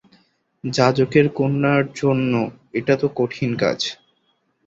যাজকের কণ্যার জন্য এটা তো কঠিন কাজ।